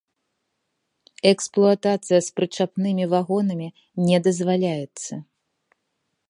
Эксплуатацыя з прычапнымі вагонамі не дазваляецца.